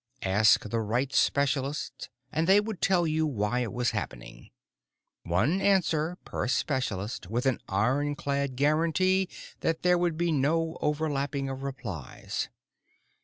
Ask the right specialists and they would tell you why it was happening. One answer per specialist, with an ironclad guarantee that there would be no overlapping of replies.